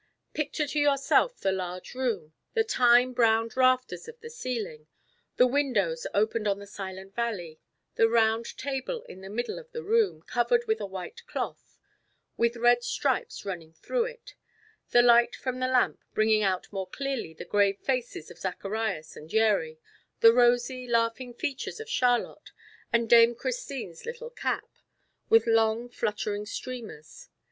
Picture to yourself the large room, the time browned rafters of the ceiling, the windows opened on the silent valley, the round table in the middle of the room, covered with a white cloth, with red stripes running through it; the light from the lamp, bringing out more clearly the grave faces of Zacharias and Yeri, the rosy, laughing features of Charlotte, and Dame Christine's little cap, with long fluttering streamers.